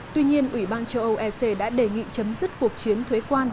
tuy nhiên ủy ban châu âu ec đã đề nghị chấm dứt cuộc chiến thuế quan